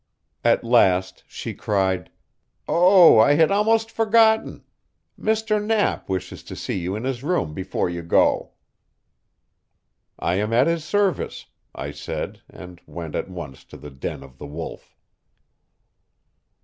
At last she cried: "Oh, I had almost forgotten. Mr. Knapp wishes to see you in his room before you go." "I am at his service," I said, and went at once to the den of the Wolf.